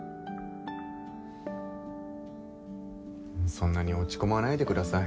そんなに落ち込まないでください。